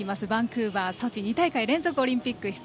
バンクーバー、ソチ２大会連続のオリンピック